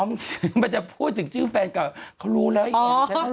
มันจะพูดถึงชื่อแฟนก่าวเขารู้แล้วไอ้วุ้นเซน